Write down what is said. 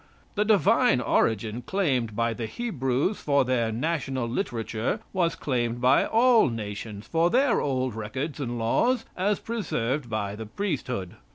The divine origin claimed by the Hebrews for their national literature was claimed by all nations for their old records and laws as preserved by the priesthood.